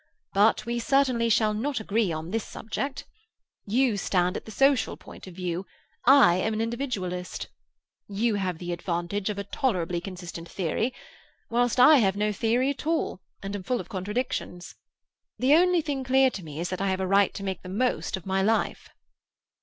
But we certainly shall not agree on this subject. You stand at the social point of view; I am an individualist. You have the advantage of a tolerably consistent theory; whilst I have no theory at all, and am full of contradictions. The only thing clear to me is that I have a right to make the most of my life."